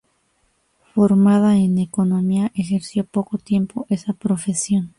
Formada en Economía, ejerció poco tiempo esa profesión.